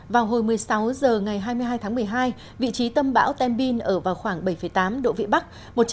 vào hồi một mươi sáu h ngày hai mươi hai tháng một mươi hai vị trí tâm bão tembin ở vào khoảng bảy tám độ vị bắc